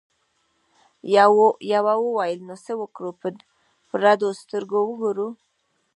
یوه وویل نو څه وکړو په رډو سترګو وګورو؟